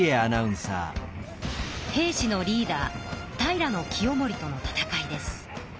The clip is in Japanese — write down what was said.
平氏のリーダー平清盛との戦いです。